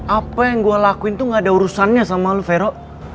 apa yang gue lakuin tuh gak ada urusannya sama lo vero